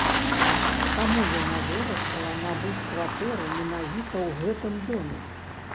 Чаму яна вырашыла набыць кватэру менавіта ў гэтым доме?